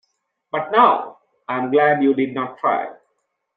But now, I’m glad you did not try.